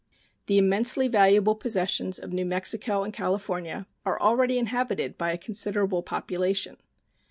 The immensely valuable possessions of New Mexico and California are already inhabited by a considerable population.